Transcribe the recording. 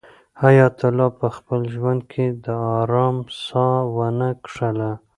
حیات الله په خپل ژوند کې د آرام ساه ونه کښله.